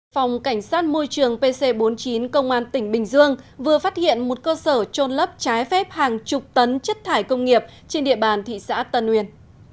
phòng cảnh sát môi trường pc bốn mươi chín công an tỉnh bình dương vừa phát hiện một cơ sở trôn lấp trái phép hàng chục tấn chất thải công nghiệp trên địa bàn thị xã tân uyên